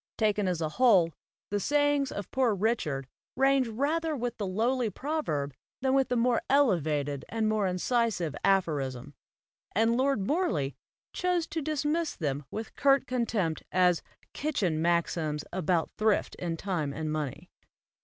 Taken as a whole, the sayings of Poor Richard range rather with the lowly proverb than with the more elevated and more incisive aphorism; and Lord Morley chose to dismiss them with curt contempt as "kitchen maxims about thrift in time and money."